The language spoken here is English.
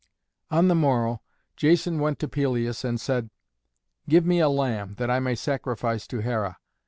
On the morrow Jason went to Pelias and said, "Give me a lamb, that I may sacrifice to Hera."